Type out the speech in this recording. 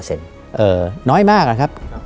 น้อยมากนะครับ